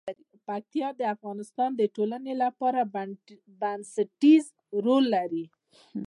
پکتیکا د افغانستان د ټولنې لپاره بنسټيز رول لري.